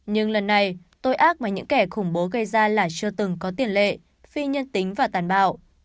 nhưng lần này tội ác mà những kẻ khủng bố gây ra là chưa từng có tiền lệ phi nhân tính và tàn bạo